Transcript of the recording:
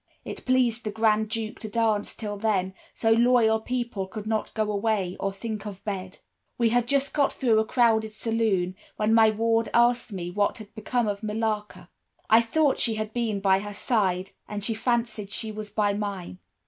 It pleased the Grand Duke to dance till then, so loyal people could not go away, or think of bed. "We had just got through a crowded saloon, when my ward asked me what had become of Millarca. I thought she had been by her side, and she fancied she was by mine.